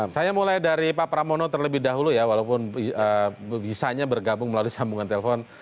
saya mulai dari pak pramono terlebih dahulu ya walaupun bisanya bergabung melalui sambungan telepon